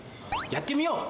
やってみよう！